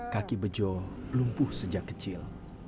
kaki bejo lumpuh sejak kecil